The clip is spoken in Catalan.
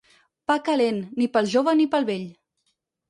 Pa calent, ni pel jove ni pel vell.